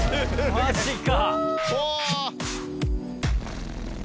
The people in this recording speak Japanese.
マジか！